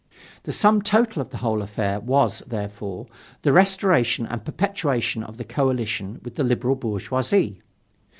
The sum total of the whole affair was, therefore, the restoration and perpetuation of the coalition with the liberal bourgeoisie.